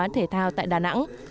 dự án thể thao tại đà nẵng